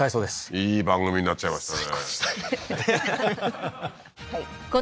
いい番組になっちゃいましたね